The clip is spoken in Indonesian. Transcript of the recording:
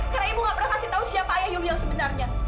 karena ibu gak pernah kasih tahu siapa ayah ibu yang sebenarnya